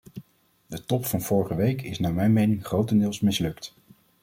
De top van vorige week is naar mijn mening grotendeels mislukt.